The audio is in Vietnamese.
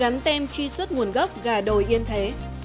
gắn tem truy xuất nguồn gốc gà đồi yên thế